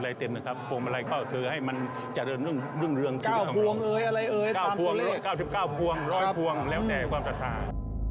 และก็เป็นดอกไม้